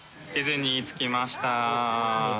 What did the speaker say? ディズニーに着きました。